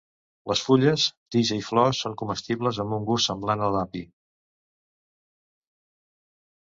Les fulles, tija i flors són comestibles, amb un gust semblant a l'api.